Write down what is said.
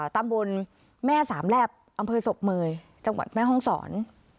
ตำบลแม่สามแลบอำเภอศพเมยจังหวัดแม่ห้องศร